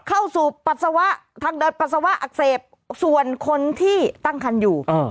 เข้าสู่ปัสสาวะทางเดินปัสสาวะอักเสบส่วนคนที่ตั้งคันอยู่